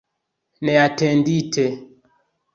Neatendite.